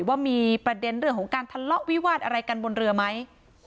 ว่ามีประเด็นเรื่องของการทะเลาะวิวาสอะไรกันบนเรือไหม